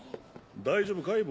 大丈夫かい？